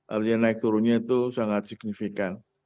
artinya naik turunnya itu sangat signifikan